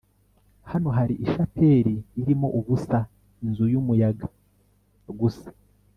Hano hari ishapeli irimo ubusa inzu yumuyaga gusa